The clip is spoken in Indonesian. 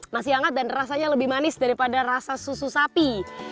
masih hangat dan rasanya lebih manis daripada rasa susu sapi